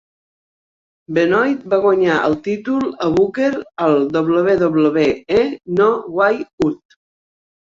Benoit va guanyar el títol a Booker al WWE No Way Out.